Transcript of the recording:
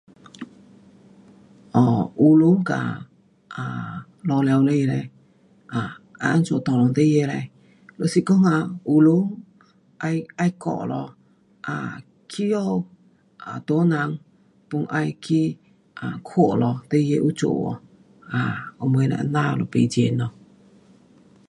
学校和父母做 [unintelligible] 就是讲学校需要教回家大人也需要看孩子有没有做这样好动